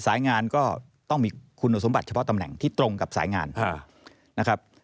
สายงานก็ต้องมีคุณสมบัติเฉพาะตำแหน่งที่ตรงกับสายงานนะครับ